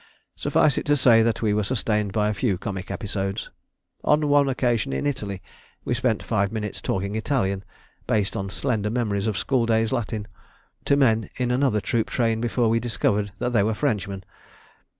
Suffice it to say that we were sustained by a few comic episodes. On one occasion, in Italy, we spent five minutes talking Italian, based on slender memories of school day Latin, to men in another troop train, before we discovered that they were Frenchmen.